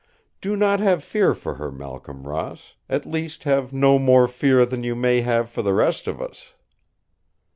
Do not have fear for her, Malcolm Ross; at least have no more fear than you may have for the rest of us!"